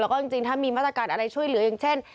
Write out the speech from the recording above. แล้วก็จริงถ้ามีมาตรการอะไรช่วยเหลืออย่างเช่น